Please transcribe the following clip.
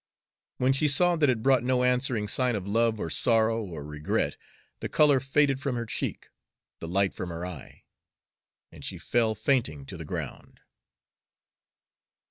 When she saw that it brought no answering sign of love or sorrow or regret, the color faded from her cheek, the light from her eye, and she fell fainting to the ground.